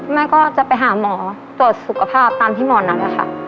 แม่ก็จะไปหาหมอตรวจสุขภาพตามที่หมอนัดนะคะ